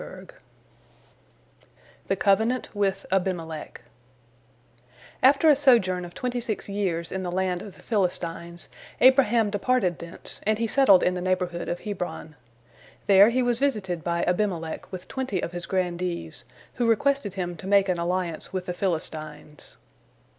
THE COVENANT WITH ABIMELECH After a sojourn of twenty six years in the land of the Philistines, Abraham departed thence, and he settled in the neighborhood of Hebron. There he was visited by Abimelech with twenty of his grandees, who requested him to make an alliance with the Philistines.